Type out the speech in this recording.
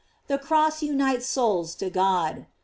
The crofli unites souls to God.